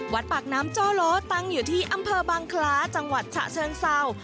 ปากน้ำจ้อโลตั้งอยู่ที่อำเภอบางคล้าจังหวัดฉะเชิงเศร้า